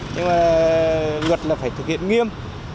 nhưng mà luật là phải thực hiện nghiêm